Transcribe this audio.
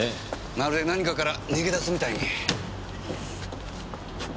まるで何かから逃げ出すみたいに。